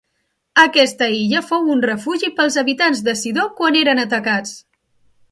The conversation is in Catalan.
Aquesta illa fou un refugi pels habitants de Sidó quan eren atacats.